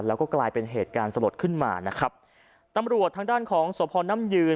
แล้วก็กลายเป็นเหตุการณ์สลดขึ้นมานะครับตำรวจทางด้านของสพน้ำยืน